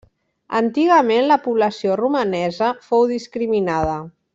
Antigament, la població romanesa fou discriminada.